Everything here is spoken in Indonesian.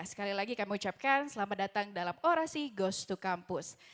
sekali lagi kami ucapkan selamat datang dalam orasi ghost to campus